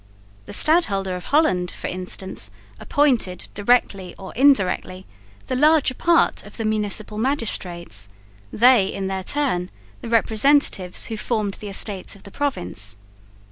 The Stadholder of Holland for instance appointed, directly or indirectly, the larger part of the municipal magistrates; they in their turn the representatives who formed the Estates of the Province.